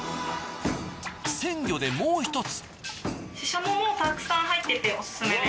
鮮魚でもう一つ。